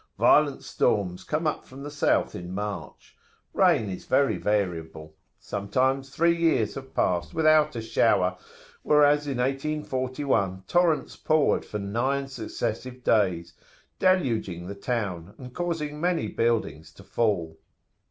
Violent storms come up from the south in March. Rain is very variable[FN#32]: [p.181] sometimes three years have passed without a shower, whereas in 1841 torrents poured for nine successive days, deluging the town, and causing many buildings to fall."